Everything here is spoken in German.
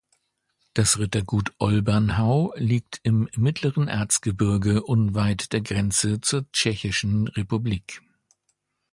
Das Rittergut Olbernhau liegt im Mittleren Erzgebirge unweit der Grenze zur Tschechischen Republik.